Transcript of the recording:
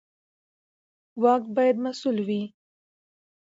واک باید مسوول وي